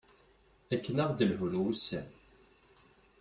Akken ad aɣ-d-lhun wusan.